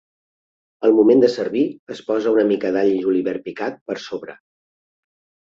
Al moment de servir es posa una mica d'all i julivert picat per sobre.